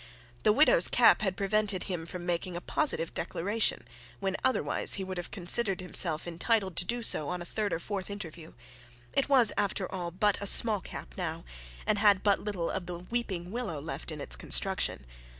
The widow's cap had prevented him from making a positive declaration, when otherwise he would have considered himself entitled to do so on a third or fourth interview. It was, after all, but a small cap now, and had but little of the weeping willow left in its construction.